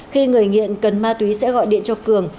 khi người nghiện cần ma túy sẽ gọi điện cho cường